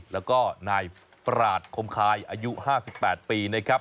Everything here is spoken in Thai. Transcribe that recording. แล้วก็นายปราศคมคายอายุ๕๘ปีนะครับ